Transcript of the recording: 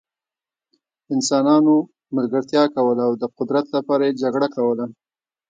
انسانانو ملګرتیا کوله او د قدرت لپاره یې جګړه کوله.